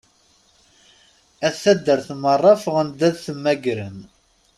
At taddart merra ffɣen-d ad t-mmagren.